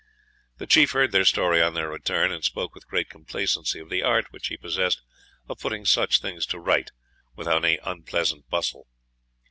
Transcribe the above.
The chief heard their story on their return, and spoke with great complacency of the art which he possessed of putting such things to rights without any unpleasant bustle.